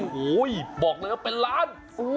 โอ้โหบอกเลยว่าเป็นล้าน